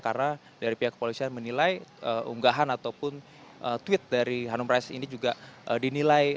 karena dari pihak kepolisian menilai unggahan ataupun tweet dari hanum rais ini juga dinilai